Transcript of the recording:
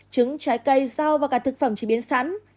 trứng trái cây rau và cả thực phẩm chế biến sẵn